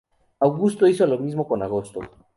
Augusto hizo lo mismo con agosto.